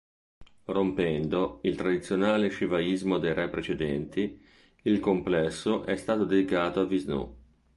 Rompendo il tradizionale shivaismo dei re precedenti, il complesso è stato dedicato a Vishnu.